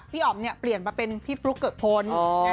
อ๋อมเนี่ยเปลี่ยนมาเป็นพี่ฟลุ๊กเกอะพล